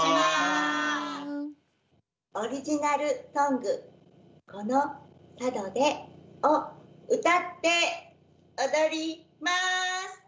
オリジナルソング「この佐渡で」を歌って踊ります！